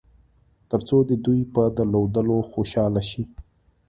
تر څو د دوی په درلودلو خوشاله شئ.